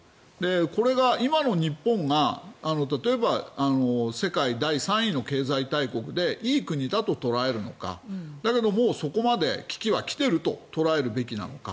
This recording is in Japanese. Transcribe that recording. これが今の日本が例えば、世界第３位の経済大国でいい国だと捉えるのかだけど、そこまで危機は来ていると捉えるべきなのか